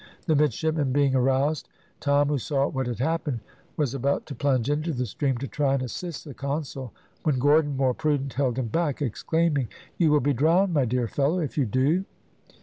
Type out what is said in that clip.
The midshipmen being aroused, Tom, who saw what had happened, was about to plunge into the stream to try and assist the consul, when Gordon, more prudent, held him back, exclaiming, "You will be drowned, my dear fellow, if you do."